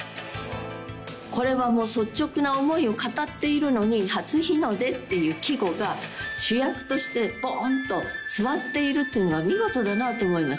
これはもう率直な思いを語っているのに、初日の出っていう季語が主役としてぽんっと見事に座っているというのが見事だなと思います。